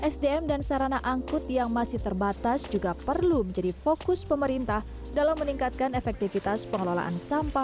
sdm dan sarana angkut yang masih terbatas juga perlu menjadi fokus pemerintah dalam meningkatkan efektivitas pengelolaan sampah